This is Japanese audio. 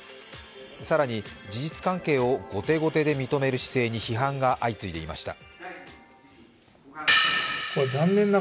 更に、事実関係を後手後手で認める姿勢に批判が相次いでいました。